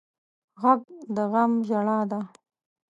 غږ د غم ژړا ده